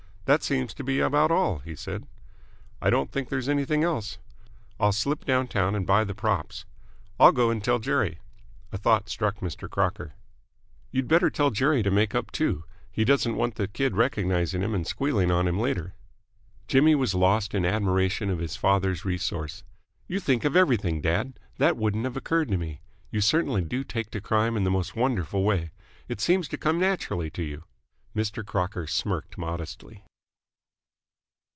"That seems to be about all," he said. "I don't think there's anything else." "I'll slip downtown and buy the props." "I'll go and tell Jerry." A thought struck Mr. Crocker. "You'd better tell Jerry to make up, too. He doesn't want the kid recognising him and squealing on him later." Jimmy was lost in admiration of his father's resource. "You think of everything, dad! That wouldn't have occurred to me. You certainly do take to Crime in the most wonderful way. It seems to come naturally to you!" Mr. Crocker smirked modestly.